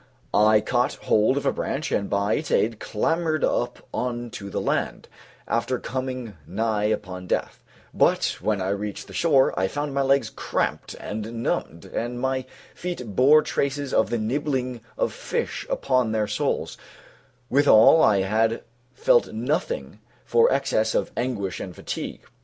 I caught hold of a branch and by its aid clambered up on to the land, after coming nigh upon death; but when I reached the shore, I found my legs cramped and numbed, and my feet bore traces of the nibbling of fish upon their soles; withal I had felt nothing for excess of anguish and fatigue.